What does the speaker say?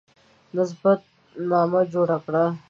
نسب نامه جوړه کړه.